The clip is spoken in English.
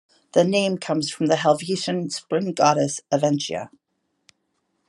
The name comes from the Helvetian spring goddess Aventia.